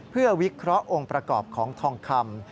เพื่อวิเคราะห์องค์ประกอบของทองคำ